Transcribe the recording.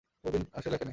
বহুদিন আর সে লেখে নাই।